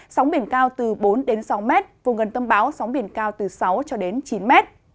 sóng biển cao từ bốn đến sáu mét vùng gần tâm báo sóng biển cao từ sáu cho đến chín mét